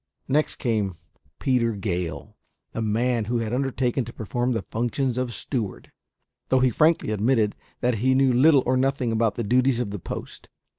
Next came Peter Gale, the man who had undertaken to perform the functions of steward, though he frankly admitted that he knew little or nothing about the duties of the post.